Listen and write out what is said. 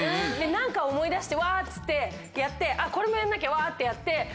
何か思い出してうわってやってこれもやんなきゃわってやって。